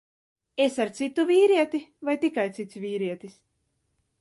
Es ar citu vīrieti, vai tikai cits vīrietis?